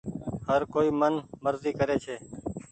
هر ڪوئي من مزي ڪري ڇي۔